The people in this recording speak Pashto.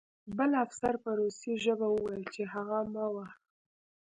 بل افسر په روسي ژبه وویل چې هغه مه وهه